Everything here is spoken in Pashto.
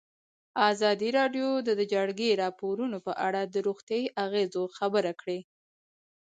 ازادي راډیو د د جګړې راپورونه په اړه د روغتیایي اغېزو خبره کړې.